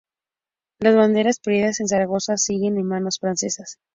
Las banderas perdidas en Zaragoza siguen en manos francesas.